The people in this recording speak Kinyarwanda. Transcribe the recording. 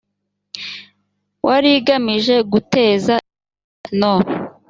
wa rigamije guteza imbere no